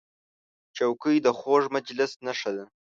چوکۍ د خوږ مجلس نښه ده.